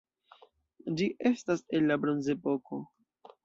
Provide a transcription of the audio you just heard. Ĝi estas el la bronzepoko.